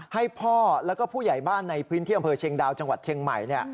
ให้พ่อแล้วก็ผู้ใหญ่บ้านในพื้นที่อำเภอเชียงดาวจังหวัดเชียงใหม่